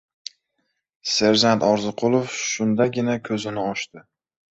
Serjant Orziqulov shundagina ko‘zini ochdi.